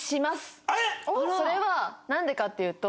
それはなんでかっていうと。